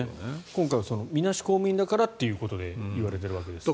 今回はみなし公務員だからということで言われているわけですね。